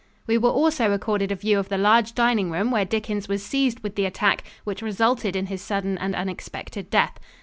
We were also accorded a view of the large dining room where Dickens was seized with the attack which resulted in his sudden and unexpected death.